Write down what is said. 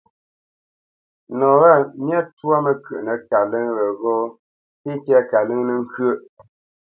Nɔ̂ wâ myâ ntwá məkyə́ʼnə kalə́ŋ weghó nté tɛ́ kalə́ŋ nə́ ŋkyə́ʼ,